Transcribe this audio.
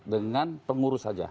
dengan pengurus saja